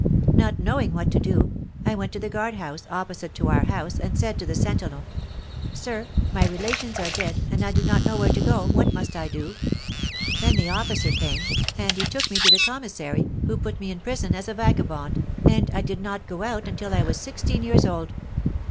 Not knowing what to do, I went to the guard house, opposite to our house, and said to the sentinel: 'Sir, my relations are dead, and I do not know where to go to; what must I do?' Then the officer came, and he took me to the commissary, who put me in prison as a vagabond, and I did not go out until I was sixteen years old."